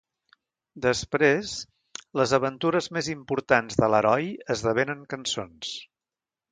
Després, les aventures més importants de l’heroi esdevenen cançons.